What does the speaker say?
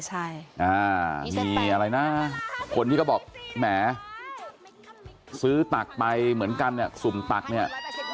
ใช่อ่ามีอะไรนะคนที่ก็บอกแหมซื้อตักไปเหมือนกันเนี่ยสุ่มตักเนี่ย